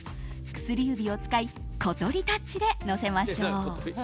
薬指を使い小鳥タッチでのせましょう。